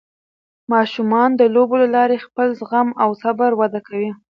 ماشومان د لوبو له لارې خپل زغم او صبر وده کوي.